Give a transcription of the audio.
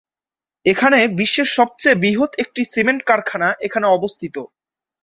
এখানে বিশ্বের সবচেয়ে বৃহৎ একটি সিমেন্ট কারখানা এখানে অবস্থিত।